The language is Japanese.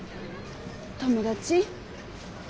友達？